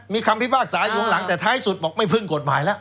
มีคำพิพากษาอยู่ข้างหลังแต่ท้ายสุดบอกไม่พึ่งกฎหมายแล้ว